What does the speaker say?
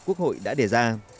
quốc hội đã đề ra